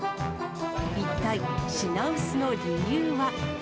一体、品薄の理由は。